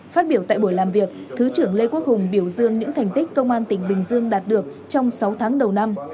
phát biểu tại buổi làm việc thứ trưởng lê quốc hùng biểu dương những thành tích công an tỉnh bình dương đạt được trong sáu tháng đầu năm